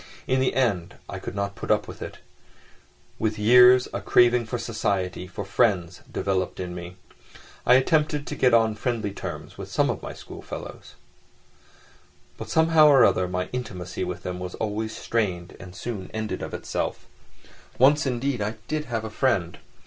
In the end I could not put up with it: with years a craving for society, for friends, developed in me. I attempted to get on friendly terms with some of my schoolfellows; but somehow or other my intimacy with them was always strained and soon ended of itself. Once, indeed, I did have a friend.